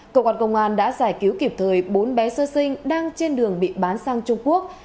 cơ quan công an đã giải cứu kịp thời bốn bé sơ sinh đang trên đường bị bán sang trung quốc